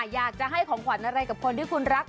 อยากจะให้ของขวัญอะไรกับคนที่คุณรัก